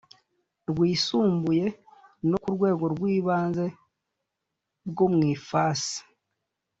Rwisumbuye no ku rwego rw Ibanze bwo mu ifasi